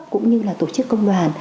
cũng như là tổ chức công đoàn